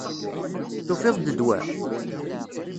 Tufiḍ-d ddwa?